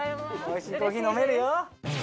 おいしいコーヒー飲めるよ。